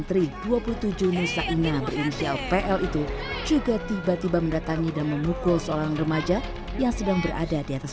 telah melakukan proses hukum secara tegas kepada pelaku meskipun sudah ada mediasi